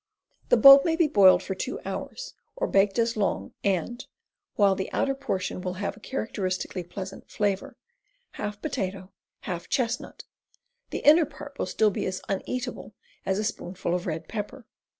The bulb may be boiled for two hours, or baked as long, and, while the outer portion will have a characteristically pleasant flavor, half potato, half chestnut, the inner part will still be as uneatable as a spoonful of red pepper.